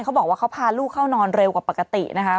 เขาบอกว่าเขาพาลูกเข้านอนเร็วกว่าปกตินะคะ